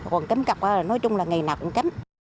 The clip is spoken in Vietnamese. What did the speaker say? còn kém cặp là nói chung là ngày nào cũng kém